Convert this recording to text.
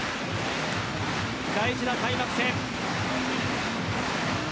大事な開幕戦。